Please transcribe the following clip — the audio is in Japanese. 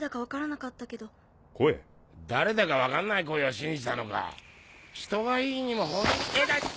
誰だか分かんない声を信じたのか⁉人がいいにもほどが痛っ！